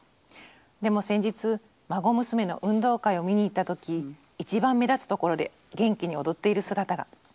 でも先日孫娘の運動会を見に行った時一番目立つところで元気に踊っている姿が。